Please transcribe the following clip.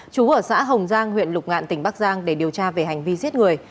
chú ở xã hồng giang huyện lục ngạn tỉnh bắc giang để điều tra về hành vi giết người